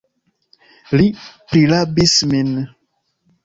Li prirabis min!